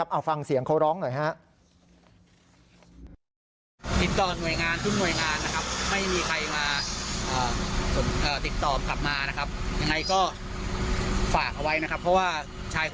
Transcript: เอาฟังเสียงเขาร้องหน่อยฮะ